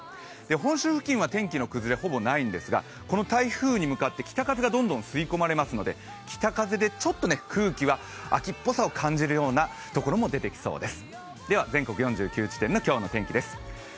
本州付近は天気の崩れほぼないんですがこの台風に向かって北風がどんどん吸い込まれますので北風でちょっと空気は秋っぽさを感じるところも出てきそうです。